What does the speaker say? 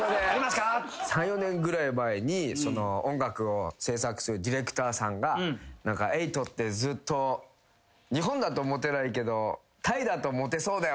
３４年ぐらい前に音楽を制作するディレクターさんが「瑛人ってずっと」ずっと言ってくる。